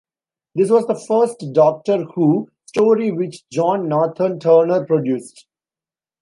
This was the first "Doctor Who" story which John Nathan-Turner produced.